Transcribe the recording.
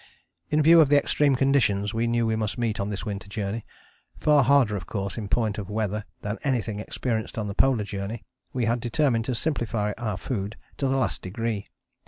In view of the extreme conditions we knew we must meet on this winter journey, far harder of course in point of weather than anything experienced on the Polar Journey, we had determined to simplify our food to the last degree.